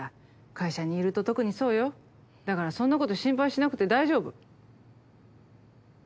会社にいると特にそうよ。だからそんなこと心配しなくて大丈夫。